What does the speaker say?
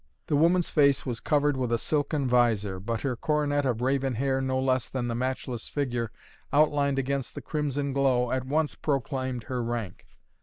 The woman's face was covered with a silken vizor, but her coronet of raven hair no less than the matchless figure, outlined against the crimson glow, at once proclaimed her rank.